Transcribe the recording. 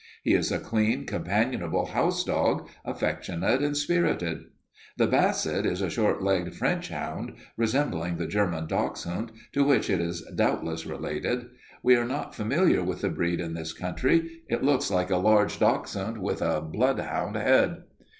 He is a clean, companionable house dog, affectionate and spirited. The basset is a short legged French hound resembling the German dachshund, to which it is doubtless related. We are not familiar with the breed in this country. It looks like a large dachshund with a bloodhound head."